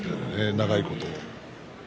長いこと。